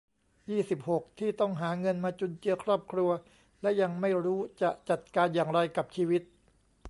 ยี่สิบหก ที่ต้องหาเงินมาจุนเจือครอบครัวและยังไม่รู้จะจัดการอย่างไรกับชีวิต